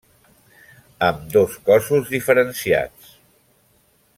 Amb dos cossos diferenciats.